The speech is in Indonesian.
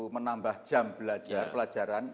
menambah jam belajar pelajaran